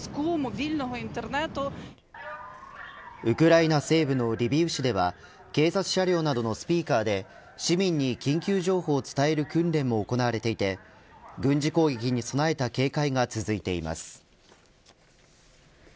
ウクライナ西部のリビウ市では警察車両などのスピーカーで市民に緊急情報を伝える訓練も行われていて軍事攻撃に備えた警戒が続いています。